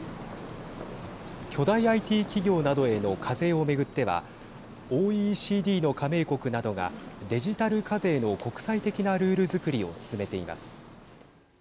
巨大ＩＴ企業などへの課税をめぐってはＯＥＣＤの加盟国などがデジタル課税の国際的なルールづくりを進めています。